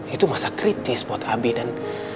itu masa kritis buat abi dan